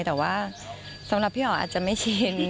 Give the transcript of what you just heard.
แต่ว่าสำหรับพี่อ๋ออาจจะไม่ชิน